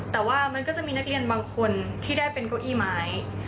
แต่ว่ามันก็จะมีนักเรียนบางคนที่ได้เป็นเก้าอี้ไม้